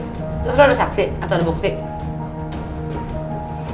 terus lo ada saksi atau ada bukti